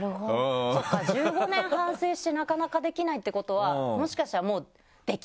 そっか１５年反省してなかなかできないってことはもしかしたらもうできないのか。